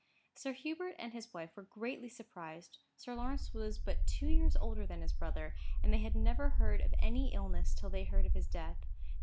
Sir Hubert and his wife were greatly surprised. Sir Lawrence was but two years older than his brother; and they had never heard of any illness till they heard of his death.